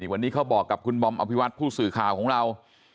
วันนี้เขาบอกกับคุณบอมอภิวัตผู้สื่อข่าวของเรา